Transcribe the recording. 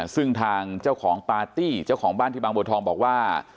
ซึ่งทางเจ้าของปาร์ตี้เจ้าของบ้านที่บางบัวทองบอกว่า